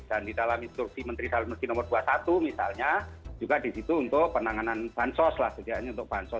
dan di dalam instruksi menteri salam negeri nomor dua puluh satu misalnya juga di situ untuk penanganan bansos lah sejajarnya untuk bansos